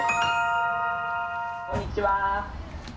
こんにちは。